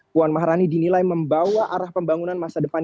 puan maharani dinilai membawa arah pembangunan masa depan